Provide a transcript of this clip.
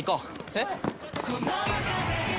えっ？